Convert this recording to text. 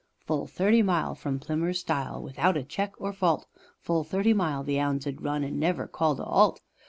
Full thirty mile from Plimmers Style, without a check or fault, Full thirty mile the 'ounds 'ad run and never called a 'alt.